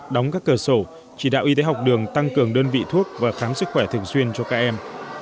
đóng các cửa sổ chỉ đạo y tế học đường tăng cường đơn vị thuốc và khám sức khỏe thường xuyên cho các em